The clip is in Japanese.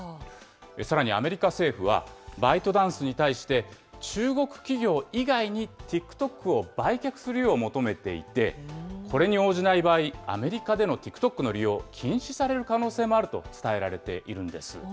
さらにアメリカ政府は、バイトダンスに対して、中国企業以外にＴｉｋＴｏｋを売却するよう求めていて、これに応じない場合、アメリカでのＴｉｋＴｏｋの利用、禁止される可能性もあると伝えられているんです。